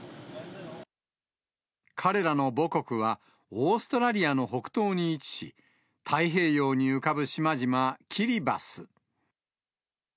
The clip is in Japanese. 彼らの母国は、オーストラリアの北東に位置し、太平洋に浮かぶ島々、キリバス。